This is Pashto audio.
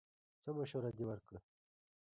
څه مشوره دې ورکړه!